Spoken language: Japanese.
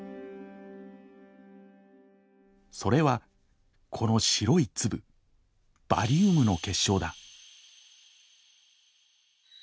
それはこの白い粒バリウムの結晶だ。